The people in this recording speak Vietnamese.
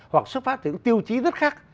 hoặc xuất phát từ những tiêu chí rất khác